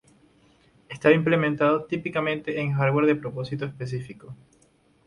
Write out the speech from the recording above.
Estaba implementado típicamente en hardware de propósito específico.